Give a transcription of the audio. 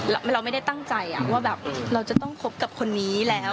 เราไม่ได้ตั้งใจว่าแบบเราจะต้องคบกับคนนี้แล้ว